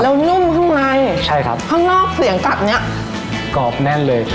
แล้วนุ่มข้างในใช่ครับข้างนอกเสียงกลับเนี้ยกรอบแน่นเลย